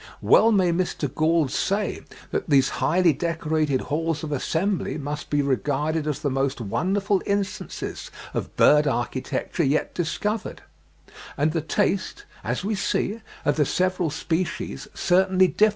Well may Mr. Gould say that "these highly decorated halls of assembly must be regarded as the most wonderful instances of bird architecture yet discovered;" and the taste, as we see, of the several species certainly differs.